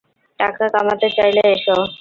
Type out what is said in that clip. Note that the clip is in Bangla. টাকা কামাতে চাইলে এসো।